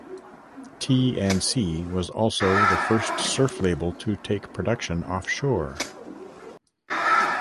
T and C was also the first surf label to take production off shore.